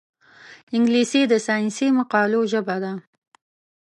انګلیسي د ساینسي مقالو ژبه ده